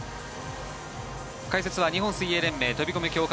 解説は日本水泳連盟飛込強化